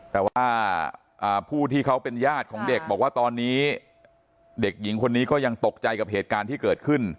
แต่ว่าผู้ที่เขาเป็นญาติของเด็กบอกว่าตอนนี้เด็กหญิงคนนี้ก็ยังตกใจกับเหตุการณ์ที่เกิดขึ้น